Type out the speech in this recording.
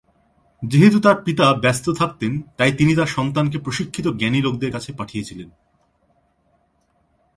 যেহেতু তার পিতা ব্যস্ত থাকতেন, তাই তিনি তার সন্তানকে প্রশিক্ষিত জ্ঞানী লোকদের কাছে পাঠিয়েছিলেন।